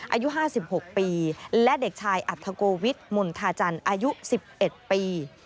อายุห้าสิบหกปีและเด็กชายอัตฑโกวิทมนธาจันทร์อายุสิบเอ็ดปี